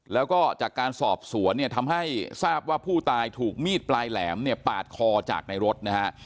แล้วก็จากการสอบสวนเนี่ยทำให้ทราบว่าผู้ตายถูกมีดปลายแหลมเนี่ยปาดคอจากในรถนะฮะ